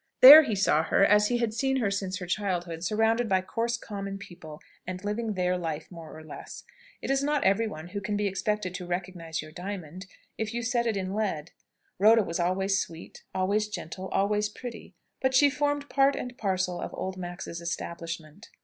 There he saw her, as he had seen her since her childhood, surrounded by coarse common people, and living their life, more or less. It is not every one who can be expected to recognise your diamond, if you set it in lead. Rhoda was always sweet, always gentle, always pretty, but she formed part and parcel of old Max's establishment.